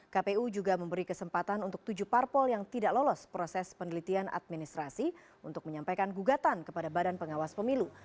kpu juga memberi kesempatan untuk tujuh parpol yang tidak lolos proses penelitian administrasi untuk menyampaikan gugatan kepada badan pengawas pemilu